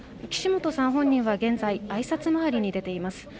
岸本さん本人は現在あいさつ回りに出ています。